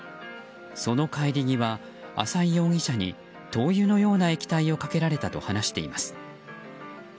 その帰り際、浅井容疑者に灯油のような液体をかけられたと話しています。